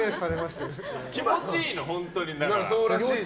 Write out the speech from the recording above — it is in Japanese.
気持ちいいの、本当に。